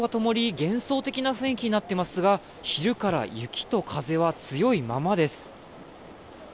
幻想的な雰囲気になっていますが昼から雪と風は強いままです。